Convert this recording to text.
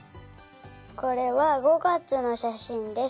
これは５月のしゃしんです。